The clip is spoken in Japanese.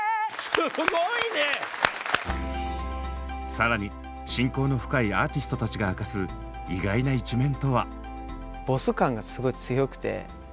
さらに親交の深いアーティストたちが明かす意外な一面とは。